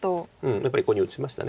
やっぱりここに打ちました。